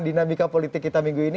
dinamika politik kita minggu ini